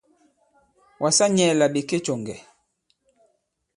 Wàsa nyɛ̄ là ɓè ke cɔ̀ŋgɛ̀.